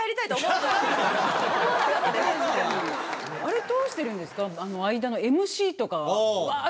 あれどうしてるんですか？